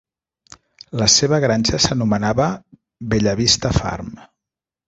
La seva granja s'anomenava 'Bella Vista Farm'.